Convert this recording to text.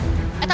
ke mana dia